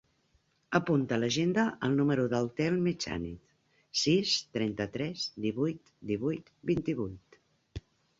Apunta a l'agenda el número del Telm Echaniz: sis, trenta-tres, divuit, divuit, vint-i-vuit.